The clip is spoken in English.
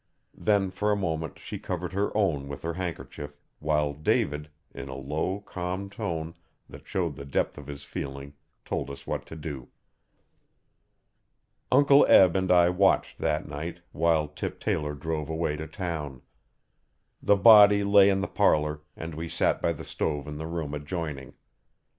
Then for a moment she covered her own with her handkerchief, while David, in a low, calm tone, that showed the depth of his feeling, told us what to do. Uncle Eb and I watched that night, while Tip Taylor drove away to town. The body lay in the parlour and we sat by the stove in the room adjoining.